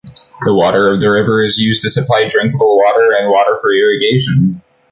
The water of the river is used to supply drinkable water and water for irrigation.